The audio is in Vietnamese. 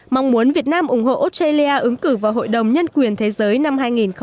mong muốn việt nam ủng hộ australia ứng cử vào hội đồng nhân quyền thế giới năm hai nghìn hai mươi